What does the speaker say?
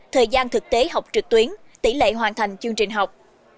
thời gian thực tế học trực tuyến tỷ lệ hoàn thành chương trình học